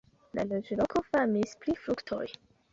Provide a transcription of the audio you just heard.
La loĝloko famis pri fruktoj.